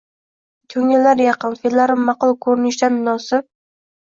Ko`ngillar yaqin, fe`llari ma`qul, ko`rinishdan munosib